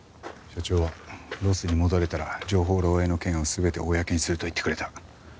社長はロスに戻れたら情報漏洩の件を全て公にすると言ってくれた。